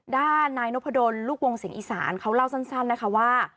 ด้านนายนพดลลูกวงเสียงอีสานเขาเล่าสั้นนะคะว่า